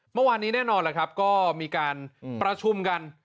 เมื่อวานนี้แน่นอนก็มีการประชุมกัน